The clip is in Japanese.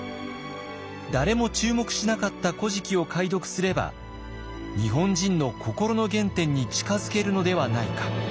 誰も注目しなかった「古事記」を解読すれば日本人の心の原点に近づけるのではないか。